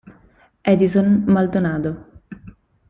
Edison Maldonado